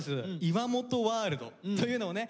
岩本ワールドというのをね